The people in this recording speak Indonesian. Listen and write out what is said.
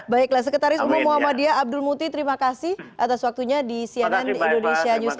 baiklah sekretaris umum muhammadiyah abdul muti terima kasih atas waktunya di cnn indonesia newsroo